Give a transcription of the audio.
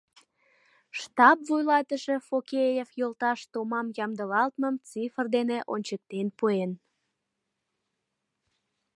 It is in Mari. Штаб вуйлатыше Фокеев йолташ томам ямдылалтмым цифр дене ончыктен пуэн...